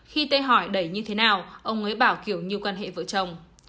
khi tê hỏi đẩy như thế nào ông ấy bảo kiểu như quan hệ vợ chồng